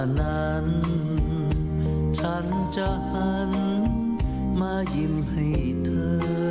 นั้นฉันจะหันมายิ้มให้เธอ